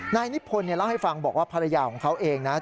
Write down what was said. นายนิพนธ์เล่าให้ฟังบอกว่าภรรยาของเขาเองนะ